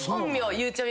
「ゆうちゃみ」